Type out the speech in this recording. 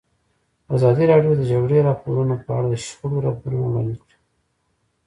ازادي راډیو د د جګړې راپورونه په اړه د شخړو راپورونه وړاندې کړي.